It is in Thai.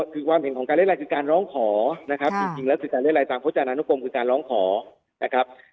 คือความเห็นของการเรียรัยคือการร้องขอนะครับจริงแล้วคือการเรียกอะไรตามพจนานุกรมคือการร้องขอนะครับ